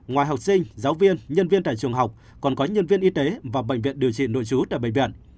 ngoài học sinh giáo viên nhân viên tại trường học còn có nhân viên y tế và bệnh viện điều trị nội trú tại bệnh viện